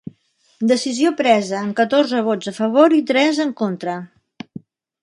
Decisió presa amb catorze vots a favor i tres en contra.